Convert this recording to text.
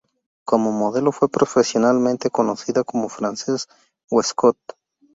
Como modelo fue profesionalmente conocida como Frances Westcott.